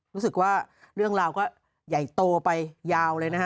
รู้สึกว่าเรื่องราวก็ใหญ่โตไปยาวเลยนะฮะ